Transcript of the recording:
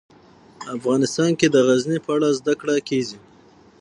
افغانستان کې د غزني په اړه زده کړه کېږي.